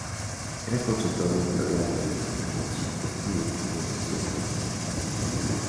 Era consultor editorial de Anarchist Studies y de Society and Nature.